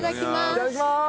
いただきます。